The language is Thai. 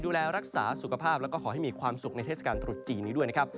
ดูแลรักษาสุขภาพแล้วก็ขอให้มีความสุขในเทศกาลตรุษจีนนี้ด้วยนะครับ